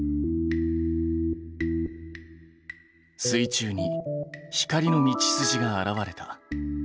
水中に光の道筋が現れた。